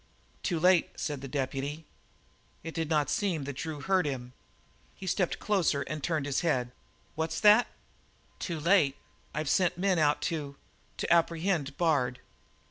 "Too late," said the deputy. It did not seem that Drew heard him. He stepped closer and turned his head. "What's that?" "Too late. I've sent out men to to apprehend Bard."